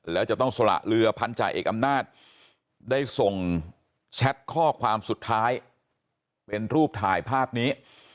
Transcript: แล้วจะต้องสละเรือพันธาเอกอำนาจได้ส่งแชทข้อความสุดท้ายเป็นรูปถ่ายภาพนี้